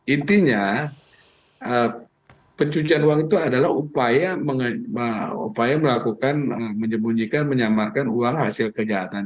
intinya pencucian uang itu adalah upaya melakukan menyembunyikan menyamarkan uang hasil kejahatan